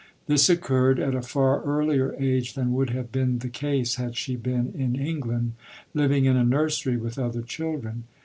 This occurred at a far earlier age than would have been the case had she been in England, living in a nursery with other children.